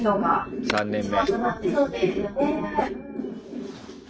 ３年目。